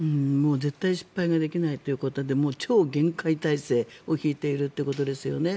絶対失敗できないということでもう、超厳戒態勢を敷いているということですよね。